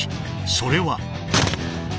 それは。